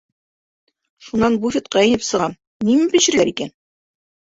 Шунан буфетҡа инеп сығам, нимә бешерәләр икән?